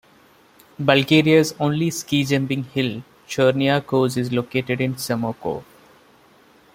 Bulgaria's only ski jumping hill Chernia kos is located in Samokov.